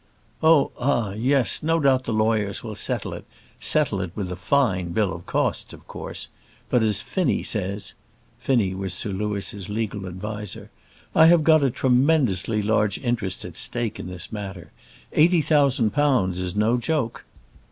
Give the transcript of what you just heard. "Oh ah yes; no doubt the lawyers will settle it: settle it with a fine bill of costs, of course. But, as Finnie says," Finnie was Sir Louis's legal adviser "I have got a tremendously large interest at stake in this matter; eighty thousand pounds is no joke.